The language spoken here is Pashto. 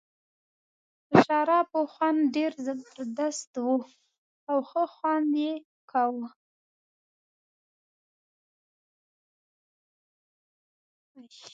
د شرابو خوند ډېر زبردست وو او ښه خوند یې کاوه.